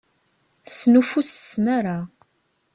Tesnuffus s tmara.